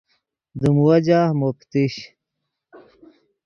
دیم وجہ مو پتیش